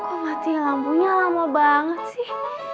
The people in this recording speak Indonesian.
oh mati lampunya lama banget sih